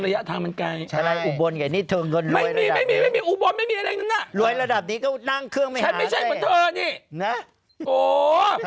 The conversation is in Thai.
ยังไม่ถึง๑๐นาทีตามมันอีกแล้ว